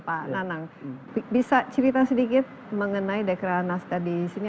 pak nanang bisa cerita sedikit mengenai dekra naskah di sini